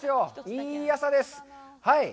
いい朝です。